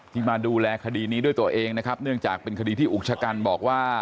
มาดูแลคดีนี้ด้วยตัวเองนะครับเนื่องจากเป็นคดีที่อุกชะกันบอกว่า